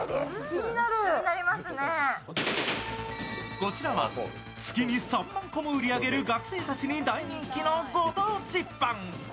こちらは月に３万個も売り上げる学生たちに人気のご当地パン。